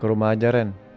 ke rumah aja ren